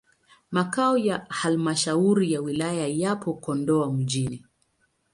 Makao ya halmashauri ya wilaya yapo Kondoa mjini.